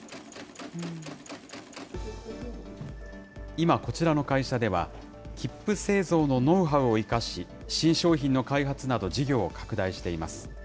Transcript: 今、こちらの会社では、きっぷ製造のノウハウを生かし、新商品の開発など、事業を拡大しています。